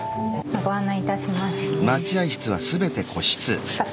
ご案内いたしますね。